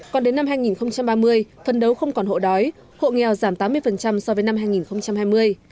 còn đến năm hai nghìn ba mươi phân đấu không còn hộ đói hộ nghèo giảm tám mươi so với năm hai nghìn hai mươi